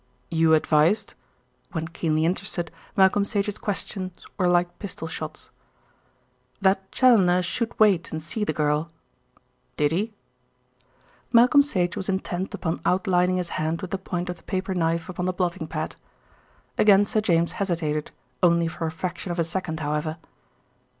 "You advised?" When keenly interested, Malcolm Sage's questions were like pistol shots. "That Challoner should wait and see the girl." "Did he?" Malcolm Sage was intent upon outlining his hand with the point of the paper knife upon the blotting pad. Again Sir James hesitated, only for a fraction of a second, however.